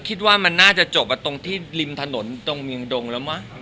คิดว่ามันน่าจะจบตรงที่ริมถนนตรงเมียงดงแล้วมั้ง